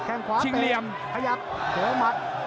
แข้งขวาเตรียมขยับหัวหมัด